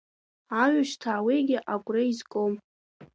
Аҩсҭаа уигьы агәра изгом…